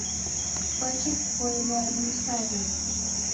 Kwaki kupoilwa ni misarigho?